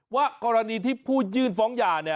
ว่ากรณีที่ผู้ยื่นฟองหย่า